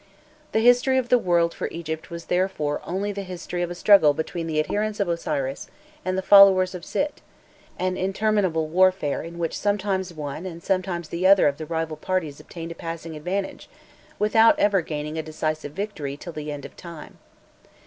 The history of the world for Egypt was therefore only the history of the struggle between the adherents of Osiris and the followers of Sît; an interminable warfare in which sometimes one and sometimes the other of the rival parties obtained a passing advantage, without ever gaining a decisive victory till the end of time.